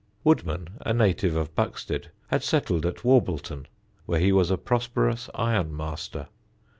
Woodman, a native of Buxted, had settled at Warbleton, where he was a prosperous iron master.